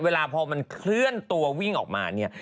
เวลาพอมันเคลื่อนตัววิ่งออกมาเนี่ย